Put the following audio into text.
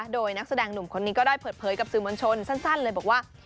โดยนักแสดงหนุ่มคนนี้ก็ได้เปิดเผยกับสื่อมวลชนสั้นเลยบอกว่า